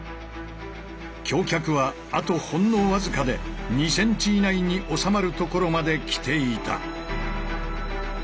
橋脚はあとほんの僅かで２ｃｍ以内に収まるところまで来ていた。